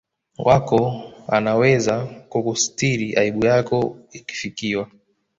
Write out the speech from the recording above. wako anaweza kukustiri aibu yako ukifikwa